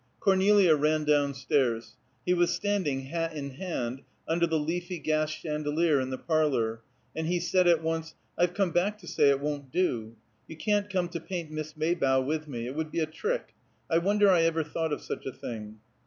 Cornelia ran down stairs. He was standing, hat in hand, under the leafy gas chandelier in the parlor, and he said at once, "I've come back to say it won't do. You can't come to paint Miss Maybough with me. It would be a trick. I wonder I ever thought of such a thing."